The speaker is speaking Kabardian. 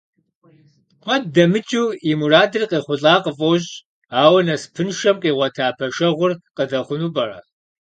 Куэд дэмыкӀу и мурадыр къехъулӀа къыфӀощӀ, ауэ насыпыншэм къигъуэта пэшэгъур къыдэхъуну пӀэрэ?